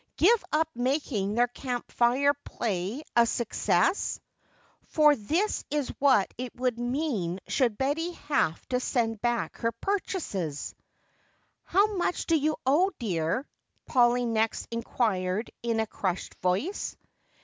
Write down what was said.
"Give up making their Camp Fire play a success?" For this is what it would mean should Betty have to send back her purchases! "How much do you owe, dear?" Polly next inquired in a crushed voice.